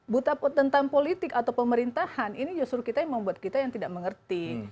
buta tentang politik atau pemerintahan ini justru kita yang membuat kita yang tidak mengerti